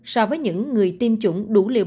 so với những người tiêm chủng đủ liều